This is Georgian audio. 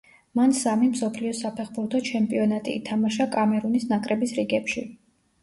მან სამი მსოფლიო საფეხბურთო ჩემპიონატი ითამაშა კამერუნის ნაკრების რიგებში.